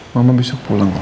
mama besok pulang ya